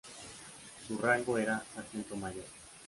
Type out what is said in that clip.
Su rango era Sargento Mayor.